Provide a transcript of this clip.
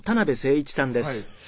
はい。